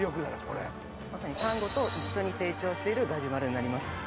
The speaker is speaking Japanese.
これまさにサンゴと一緒に成長しているガジュマルになります